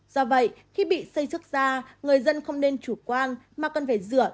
do vậy khi bị xây xước da người dân không nên chủ quan mà cần phải rửa